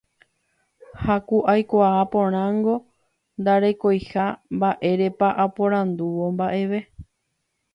ha ku aikuaa porãngo ndarekoiha mba'érepa aporandúvo mba'eve